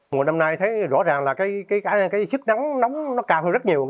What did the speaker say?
mùa năm nay thấy rõ ràng là cái sức nắng nóng nó cao hơn rất nhiều